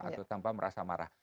atau tanpa merasa marah